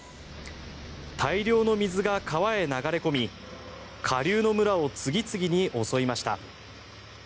大量の水が川へ流れ込み下流の村を次々に襲いました。